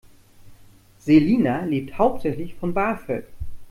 Selina lebt hauptsächlich von BAföG.